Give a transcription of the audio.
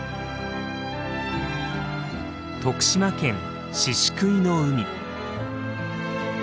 徳島県宍喰の海。